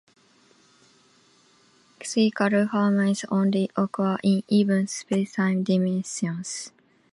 Chiral fermions only occur in even spacetime dimensions.